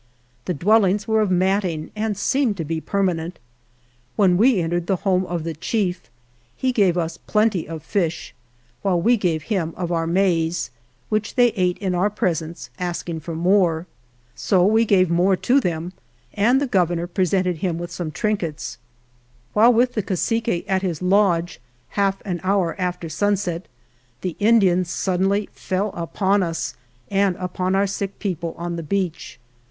The dwellings were of matting and seemed to be perma nent. When we entered the home of the chief he gave us plenty of fish, while we gave him of our maize, which they ate in our presence, asking for more. So we gave more to them, and the Governor presented 44 ALVAR NUNEZ CABEZA DE VACA him with some trinkets. While with the cacique at his lodge, half an hour after sun set, the Indians suddenly fell upon us and upon our sick people on the beach.